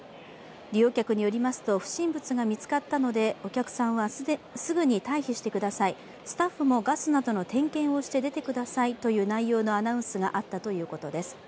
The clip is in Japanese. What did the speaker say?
利用客によりますと不審物が見つかったのでお客さんはすぐに退避してください、スタッフもガスなどの点検をして出てくださいという内容のアナウンスがあったということです。